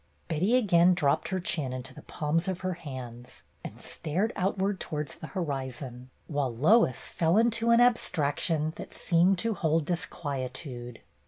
Betty again dropped her chin into the palms of her hands, and stared out towards the hori zon, while Lois fell into an abstraction that seemed to hold disquietude.